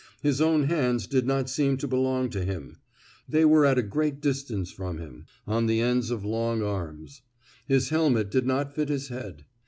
His own hands did not seem to belong to him; they were at a great distance from him, on the ends of long arms. His helmet did not fit his head.